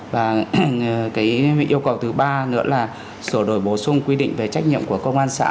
và cái yêu cầu thứ ba nữa là sửa đổi bổ sung quy định về trách nhiệm của công an xã